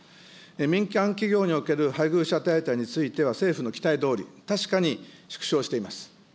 民間企業における配偶者手当については、政府の期待どおり、確かに縮小しています。